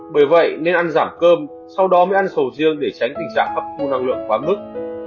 bởi vậy nên ăn giảm cơm sau đó mới ăn sầu riêng để tránh tình trạng hấp thu năng lượng quá mức